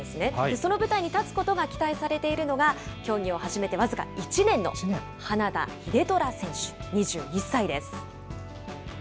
その舞台に立つことが期待されているのが、競技を始めて僅か１年の花田秀虎選手２１歳です。